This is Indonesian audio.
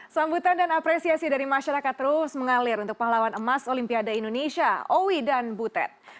sambutan dan apresiasi dari masyarakat terus mengalir untuk pahlawan emas olimpiade indonesia owi dan butet